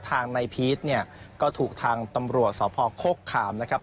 ทางนายพีชเนี่ยก็ถูกทางตำรวจสพโคกขามนะครับ